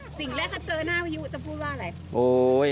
สิ่งแรกถ้าเจอหน้าวิยุจะพูดว่าอะไร